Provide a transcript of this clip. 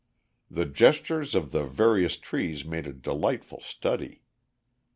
The gestures of the various trees made a delightful study.